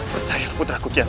percayalah putraku kian santa